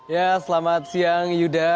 ya selamat siang yuda